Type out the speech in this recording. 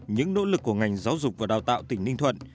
những nỗ lực của ngành giáo dục và đào tạo tỉnh ninh thuận